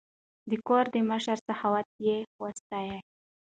د کوردي مشر سخاوت یې وستایه.